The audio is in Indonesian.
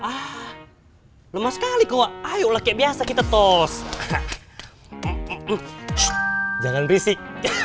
hahaha wadah buah ih ah lemah sekali kok ayolah kayak biasa kita tos jangan risik